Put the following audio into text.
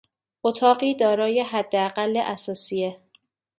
اتاقی دارای حداقل اثاثیه